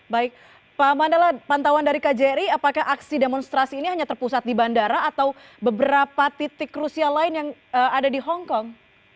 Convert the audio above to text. baik pak mandala pantauan dari kjri apakah aksi demonstrasi ini hanya terpusat di bandara atau beberapa titik krusial lain yang ada di hongkong